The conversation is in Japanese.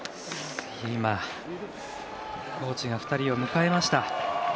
コーチが２人を迎えました。